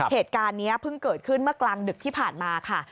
เหตุการณ์นี้เพิ่งเกิดขึ้นเมื่อกลางดึกที่ผ่านมาค่ะ